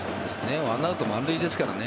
１アウト満塁ですからね